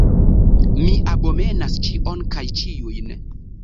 Mi abomenas ĉion kaj ĉiujn!